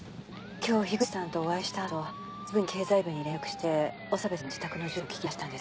今日樋口さんとお会いした後すぐに経済部に連絡して長部さんの自宅の住所を聞き出したんです。